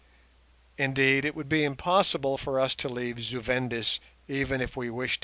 Indeed, it would be impossible for us to leave Zu Vendis even if we wished to do so.